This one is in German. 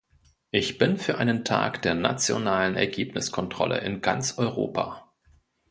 Ich bin für einen Tag der nationalen Ergebniskontrolle in ganz Europa.